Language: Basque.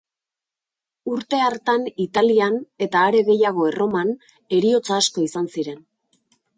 Urte hartan Italian, eta are gehiago Erroman, heriotza asko izan ziren.